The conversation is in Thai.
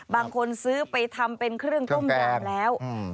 บางคนซื้อไปทำเป็นเครื่องต้มยำแล้ว